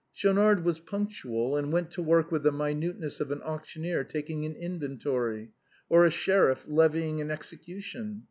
Schaunard was punctual and went to work with the minuteness of an auctioneer taking an inventory, or a sheriff levying an execution.